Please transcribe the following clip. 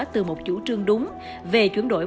từ một chủ trương đúng về chuyển đổi